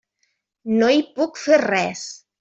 No hi puc fer res.